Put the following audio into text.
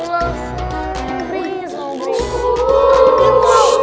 keberanian sama berikut